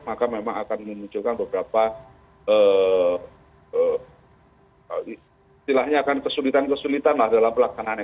maka memang akan memunculkan beberapa kesulitan kesulitan dalam pelaksanaannya